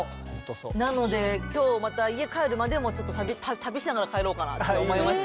なので今日また家帰るまでもちょっと旅しながら帰ろうかなと思いました。